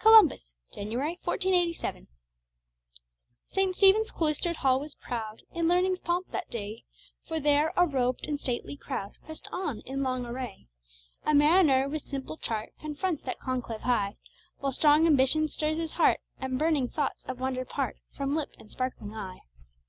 COLUMBUS [January, 1487] St. Stephen's cloistered hall was proud In learning's pomp that day, For there a robed and stately crowd Pressed on in long array. A mariner with simple chart Confronts that conclave high, While strong ambition stirs his heart, And burning thoughts of wonder part From lip and sparkling eye.